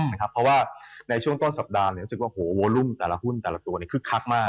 เพราะว่าในช่วงต้นสัปดาห์รู้สึกว่าวอลุ่มแต่ละหุ้นแต่ละตัวคึกคักมาก